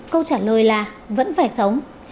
câu trả lời là vẫn phải sống